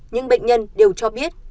nhưng bệnh nhân đều cho biết